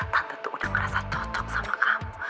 tante tuh udah merasa cocok sama kamu